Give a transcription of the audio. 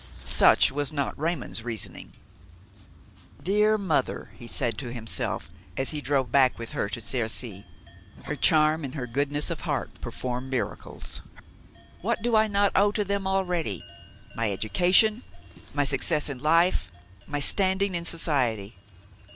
Such was not Raymon's reasoning. "Dear mother!" he said to himself, as he drove back with her to Cercy, "her charm and her goodness of heart perform miracles. What do I not owe to them already! my education, my success in life, my standing in society.